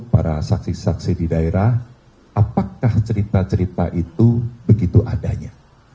para saksi saksi di daerah apakah cerita cerita itu begitu adanya